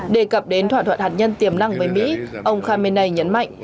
đề cập đến thỏa thuận hạt nhân tiềm năng với mỹ ông khamenei nhấn mạnh